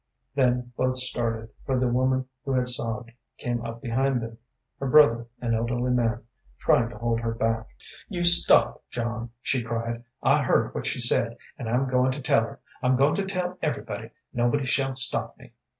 Then both started, for the woman who had sobbed came up behind them, her brother, an elderly man, trying to hold her back. "You stop, John," she cried. "I heard what she said, and I'm goin' to tell her. I'm goin' to tell everybody. Nobody shall stop me.